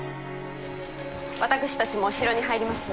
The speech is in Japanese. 私たちも城に入ります。